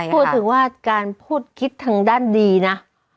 พูดถึงว่าการพูดคิดทางด้านดีนะ